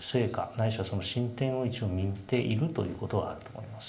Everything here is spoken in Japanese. ないしは、その進展を一応、見ているというのはあると思います。